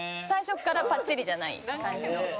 最初からパッチリじゃない感じの。